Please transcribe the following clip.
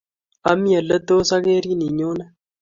Ami ole tos akerin inyone